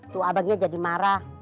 tuh abangnya jadi marah